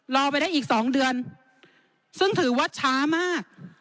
รอไปได้อีก๒เดือนซึ่งถือว่าช้ามาก